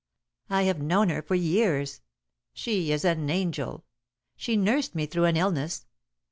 I have known her for years. She is an angel. She nursed me through an illness.